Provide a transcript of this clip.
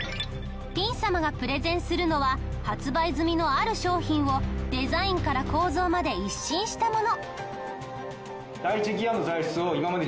ピン様がプレゼンするのは発売済みのある商品をデザインから構造まで一新したもの。